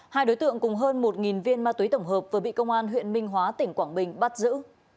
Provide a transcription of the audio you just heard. hai đối tượng cùng hơn một viên ma túy tổng hợp vừa bị công an huyện minh hóa tỉnh quảng bình bắt giữ